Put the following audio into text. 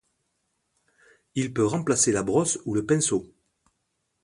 Il peut remplacer la brosse ou le pinceau.